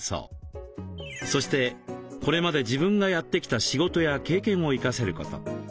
そしてこれまで自分がやってきた仕事や経験を生かせること。